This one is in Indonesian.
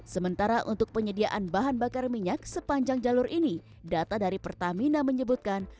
sementara untuk penyediaan bahan bakar minyak sepanjang jalur ini data dari pertamina menyebutkan